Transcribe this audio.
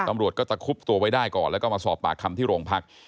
ตำรวจก็ตะคุบตัวไว้ได้ก่อนแล้วก็มาสอบปากคำที่โรงพัก